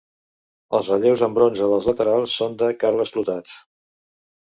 Els relleus en bronze dels laterals són de Carles Flotats.